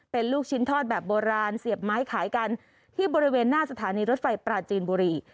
เป็นลูกชิ้นทอดแบบโบราณเสียบไม้ขายกันที่บริเวณหน้าสถานีรถไฟปราจีนบุรี